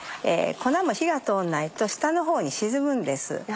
粉も火が通んないと下の方に沈むんです。